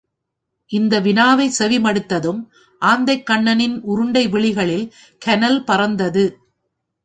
இந்த வினாவைச் செவிமடுத்ததும் ஆந்தைக்கண்ணனின் உருண்டை விழிகளில் கனல் பறந்தது.